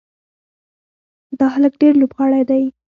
دا هلک ډېر لوبغاړی دی.